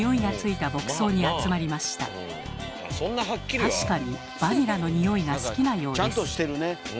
確かにバニラのにおいが好きなようです。